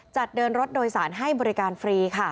เดินรถโดยสารให้บริการฟรี